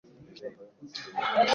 Mfano: takwimu ya utajiri na umaskini.